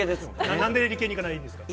なんで理系に行かないんですか。